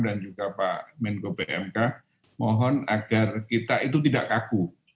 dan juga pak kemenko pmk mohon agar kita itu tidak kaku